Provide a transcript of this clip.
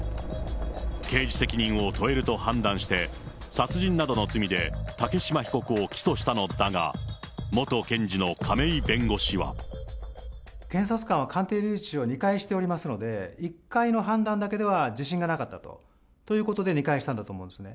刑事責任を問えると判断して殺人などの罪で竹島被告を起訴したのだが、元検事の亀井弁護士は。検察官は鑑定留置を２回しておりますので、１回の判断だけでは自信がなかったと、ということで、２回したんだと思いますね。